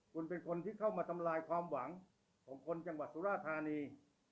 คุณเป็นคนที่เข้ามาทำลายความหวังของคนจังหวัดสุราธานี